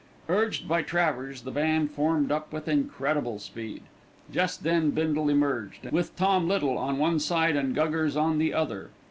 Urged by Travers the band formed up with incredible speed. Just then Bindle emerged, with Tom Little on one side and Guggers on the other.